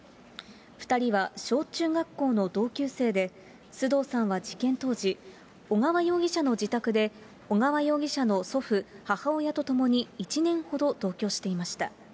２人は小中学校の同級生で、須藤さんは事件当時、小川容疑者の自宅で、小川容疑者の祖父、母親と共に、１年ほど同居していました。